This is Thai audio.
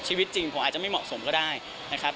ชีวิตจริงผมอาจจะไม่เหมาะสมก็ได้นะครับ